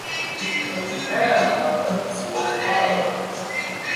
It can however be seen as follows.